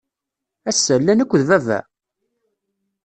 Ass-a, llan akked baba?